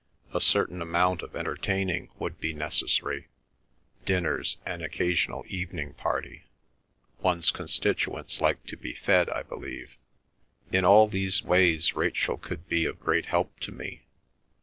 A certain amount of entertaining would be necessary—dinners, an occasional evening party. One's constituents like to be fed, I believe. In all these ways Rachel could be of great help to me.